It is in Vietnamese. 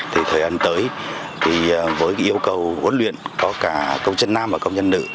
thì thời gian tới với yêu cầu huấn luyện có cả công dân nam và công dân nữ